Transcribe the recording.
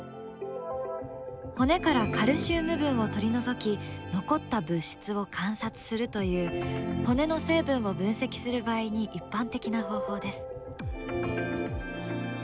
骨からカルシウム分を取り除き残った物質を観察するという骨の成分を分析する場合に一般的な方法です。